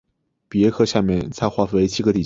比耶克下面再划分为七个地区。